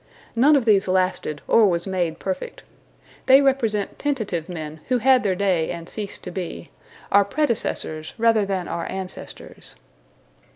None of these lasted or was made perfect. They represent tentative men who had their day and ceased to be, our predecessors rather than our ancestors.